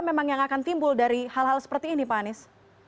memang yang akan timbul dari hal hal seperti ini pak anies